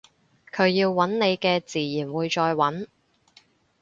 佢要搵你嘅自然會再搵